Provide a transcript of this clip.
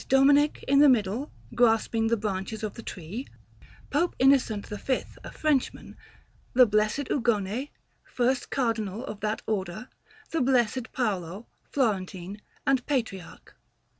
Dominic in the middle, grasping the branches of the tree; Pope Innocent V, a Frenchman; the Blessed Ugone, first Cardinal of that Order; the Blessed Paolo, Florentine and Patriarch; S.